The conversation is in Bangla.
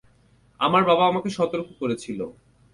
আমার বাবা আমাকে সতর্ক করেছিল!